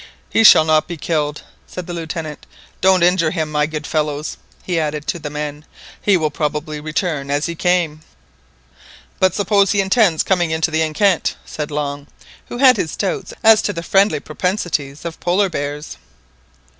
"He shall not be killed," said the Lieutenant, "don't injure him, my good fellows," he added to the men, "he will probably return as he came." "But suppose he intends coming into the enceinte?" said Long, who had his doubts as to the friendly propensities of Polar bears.